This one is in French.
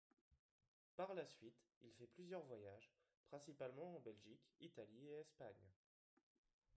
Par la suite, il fait plusieurs voyages, principalement en Belgique, Italie et Espagne.